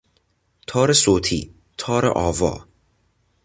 تار صوتی، تار آوا